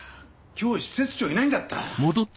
今日施設長いないんだった。